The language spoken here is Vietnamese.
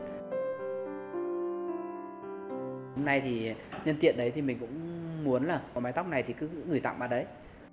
hôm nay thì nhân tiện đấy thì mình cũng muốn là có mái tóc này thì cứ gửi tặng vào đấy